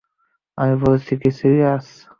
আমি বলছি কী সিরিয়াস।